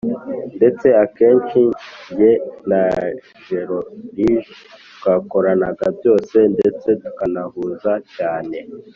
ndetse akenshi njye na gerorige twakoranaga byose ndetse tukanahuza cyane